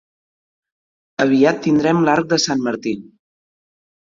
Aviat tindrem l'arc de Sant Martí.